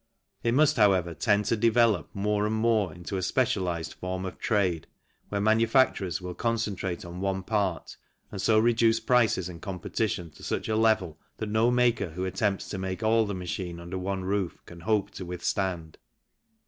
It must, however, tend to develop more and more into a specialized form of trade where manu facturers will concentrate on one part, and so reduce prices and competition to such a level that no maker who attempts to make all the machine under one roof can hope to withstand.